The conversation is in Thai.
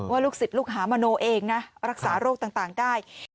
ลูกศิษย์ลูกหามโนเองนะรักษาโรคต่างได้